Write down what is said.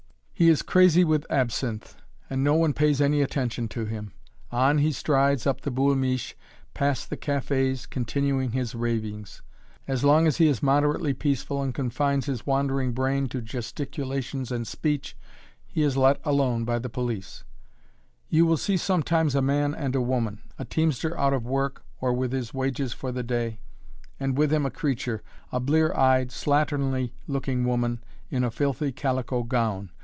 He is crazy with absinthe, and no one pays any attention to him. On he strides up the "Boul' Miche," past the cafés, continuing his ravings. As long as he is moderately peaceful and confines his wandering brain to gesticulations and speech, he is let alone by the police. [Illustration: (portrait of woman)] You will see sometimes a man and a woman a teamster out of work or with his wages for the day, and with him a creature a blear eyed, slatternly looking woman, in a filthy calico gown.